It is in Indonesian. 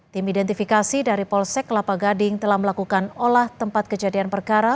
tim identifikasi dari polsek kelapa gading telah melakukan olah tempat kejadian perkara